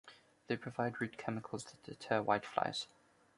They provide root chemicals that deter whiteflies.